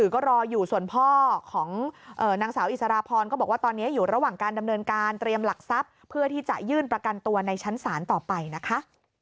ก็รออยู่ส่วนพ่อของนางสาวอิสราพรก็บอกว่าตอนนี้อยู่ระหว่างการดำเนินการเตรียมหลักทรัพย์เพื่อที่จะยื่นประกันตัวในชั้นศาลต่อไปนะคะ